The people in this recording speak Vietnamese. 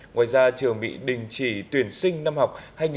ngoài ra trường bị đình chỉ tuyển sinh năm học hai nghìn hai mươi hai nghìn hai mươi